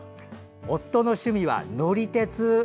夫の趣味は乗り鉄。